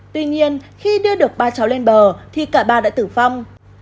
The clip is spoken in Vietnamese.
tuy nhiên khi đưa được ba cháu lên bờ thì cả ba đã tử vong